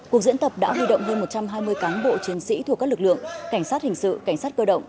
cuộc diễn tập đã huy động hơn một trăm hai mươi cán bộ chiến sĩ thuộc các lực lượng cảnh sát hình sự cảnh sát cơ động